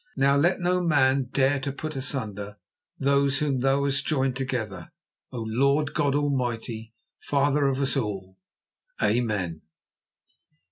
Now let no man dare to put asunder those whom Thou hast joined together, O Lord God Almighty, Father of us all. Amen."